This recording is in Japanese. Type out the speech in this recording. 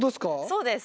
そうです。